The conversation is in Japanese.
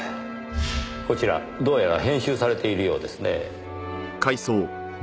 こちらどうやら編集されているようですねぇ。